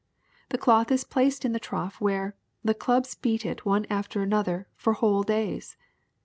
The cloth is placed in the trough where, the clubs beat it one after another for whole days.